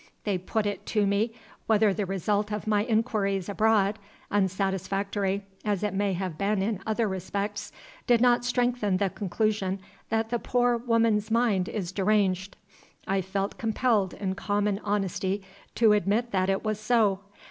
They put it to me whether the result of my inquiries abroad unsatisfactory as it may have been in other respects did not strengthen the conclusion that the poor woman's mind is deranged. I felt compelled in common honesty to admit that it was so.